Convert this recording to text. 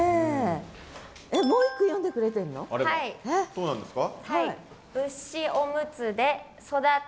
そうなんですか。